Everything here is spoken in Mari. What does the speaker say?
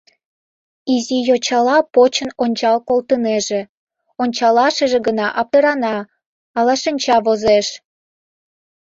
Изи йочала почын ончал колтынеже — ончалашыже гына аптырана: «ала шинча возеш».